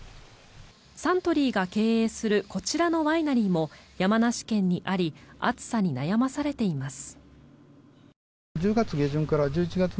サントリーが経営するこちらのワイナリーも山梨県にあり暑さに悩まされています。